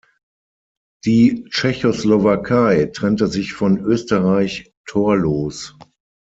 Die Tschechoslowakei trennte sich von Österreich torlos.